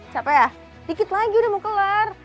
capek ya dikit lagi udah mau kelar